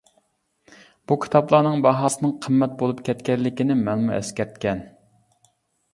بۇ كىتابلارنىڭ باھاسىنىڭ قىممەت بولۇپ كەتكەنلىكىنى مەنمۇ ئەسكەرتكەن.